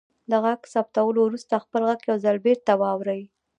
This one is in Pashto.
د غږ ثبتولو وروسته خپل غږ یو ځل بیرته واورئ.